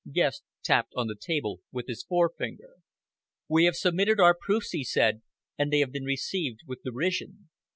Guest tapped on the table with his forefinger. "We have submitted our proofs," he said, "and they have been received with derision.